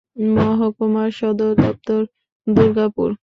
মহকুমার সদর দপ্তর দুর্গাপুর।